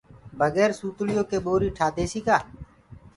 بگير سوتݪيو ڪي ٻوري ٺآ ديسي ڪآ۔